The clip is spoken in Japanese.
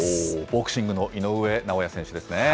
ボクシングの井上尚弥選手ですね。